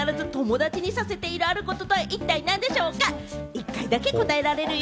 １回だけ答えられるよ。